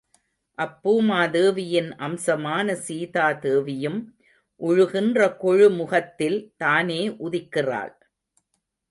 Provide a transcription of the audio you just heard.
அப்பூமாதேவியின் அம்சமான சீதா தேவியும் உழுகின்ற கொழுமுகத்தில் தானே உதிக்கிறாள்?